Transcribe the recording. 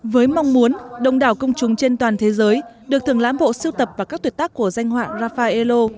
với mong muốn đông đảo công chúng trên toàn thế giới được thường lãm bộ siêu tập và các tuyệt tác của danh họa raffaello